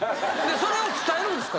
それを伝えるんですか？